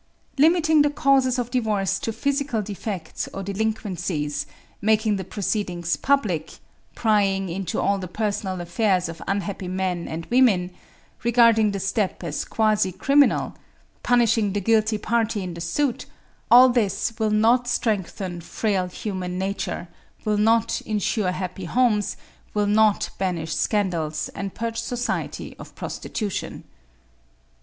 "Limiting the causes of divorce to physical defects or delinquencies; making the proceedings public; prying into all the personal affairs of unhappy men and women; regarding the step as quasi criminal; punishing the guilty party in the suit; all this will not strengthen frail human nature, will not insure happy homes, will not banish scandals and purge society of prostitution.